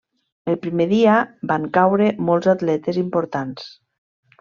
El primer dia van caure molts atletes importants.